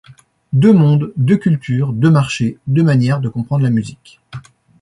Deux mondes, deux cultures, deux marchés, deux manières de comprendre la musique.